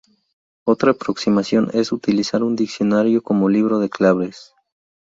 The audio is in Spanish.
Otra aproximación es utilizar un diccionario como libro de claves.